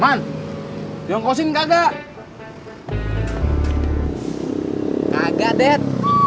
man diongkosin kagak kagak det